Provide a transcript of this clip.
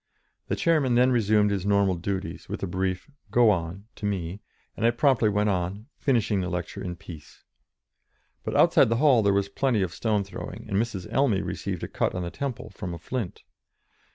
The chairman then resumed his normal duties, with a brief "Go on" to me, and I promptly went on, finishing the lecture in peace. But outside the hall there was plenty of stone throwing, and Mrs. Elmy received a cut on the temple from a flint.